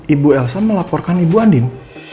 ibu elsa melaporkan ibu andin